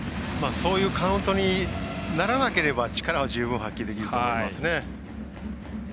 そういうカウントにならなければ、力は十分発揮できると思いますね。